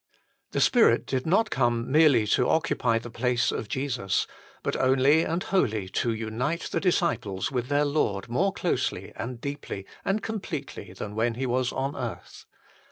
The Spirit did not come merely to occupy the place of Jesus, but only and wholly to unite the disciples with their Lord more closely, and deeply, and completely than when He was on earth.